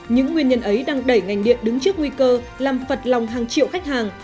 những nguyên nhân ấy đang đẩy ngành điện đứng trước nguy cơ làm phật lòng hàng triệu khách hàng